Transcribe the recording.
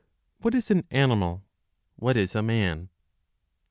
What is an Animal? What is a Man? 53.